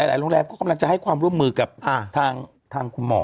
โรงแรมก็กำลังจะให้ความร่วมมือกับทางคุณหมอ